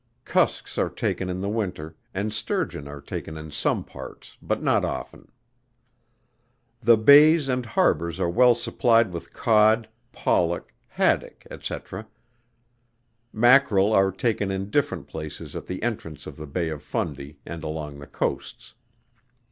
Cusks are taken in the winter, and Sturgeon are taken in some parts, but not often. The Bays and Harbors are well supplied with Cod, Pollock, Haddock, &c. Mackerel are taken in different places at the entrance of the Bay of Fundy, and along the coasts.